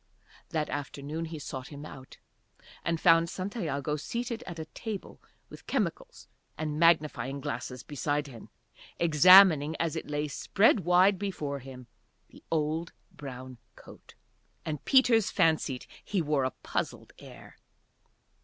That morning he sought him out, and found Santiago seated at a table with chemicals and magnifying glasses beside him examining, as it lay spread wide before him, the old brown coat. And Peters fancied he wore a puzzled air.